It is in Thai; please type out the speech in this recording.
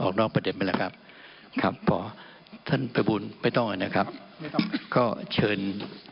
ก็เชิญท่านพิโรธครับเชิญ